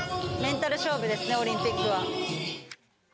メンタル勝負ですね、オリンピックは。